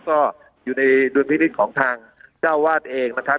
ก็อยู่ในดุลพินิษฐ์ของทางเจ้าวาดเองนะครับ